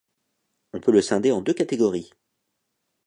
On peut le scinder en deux catégories.